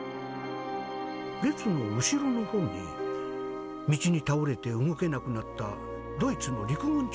列の後ろの方に道に倒れて動けなくなったドイツの陸軍中尉がいた。